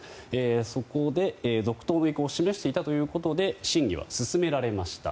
そこで、続投の意向を示していたということで審議は進められました。